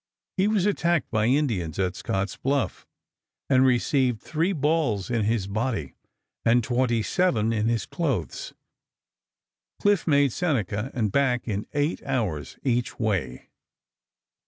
He was attacked by Indians at Scotts Bluff, and received three balls in his body and twenty seven in his clothes. Cliff made Seneca and back in eight hours each way.